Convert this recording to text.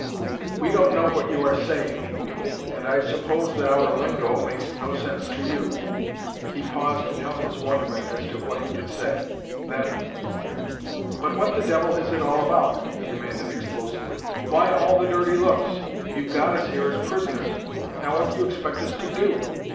"We don't know what you are saying," he began, "and I suppose that our lingo makes no sense to you " He paused in helpless wonderment as to what he could say. Then "But what the devil is it all about?" he demanded explosively. "Why all the dirty looks? You've got us here as prisoners now what do you expect us to do?